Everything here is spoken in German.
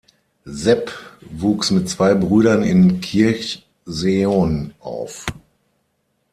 Sepp wuchs mit zwei Brüdern in Kirchseeon auf.